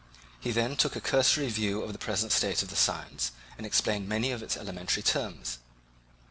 He then took a cursory view of the present state of the science and explained many of its elementary terms.